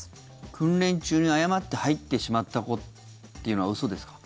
訓練中に誤って入ってしまったというのは嘘ですか？